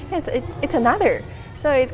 jadi itu memiliki